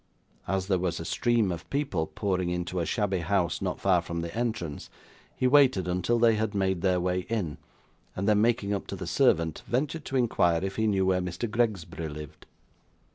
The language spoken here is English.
As there was a stream of people pouring into a shabby house not far from the entrance, he waited until they had made their way in, and then making up to the servant, ventured to inquire if he knew where Mr. Gregsbury lived.